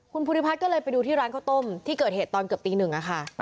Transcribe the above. คุณภูริพัฒน์ก็เลยไปดูที่ร้านข้าวต้มที่เกิดเหตุตอนเกือบตีหนึ่งค่ะ